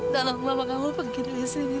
tolong mama kamu pergi dari sini